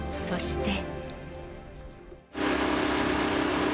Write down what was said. そして。